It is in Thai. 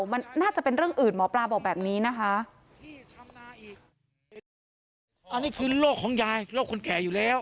มันน่าจะเป็นเรื่องอื่นหมอปลาบอกแบบนี้นะคะ